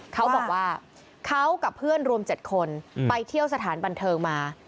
เขาบอกว่าเขากับเพื่อนรวม๗คนไปเที่ยวสถานบันเทิงมา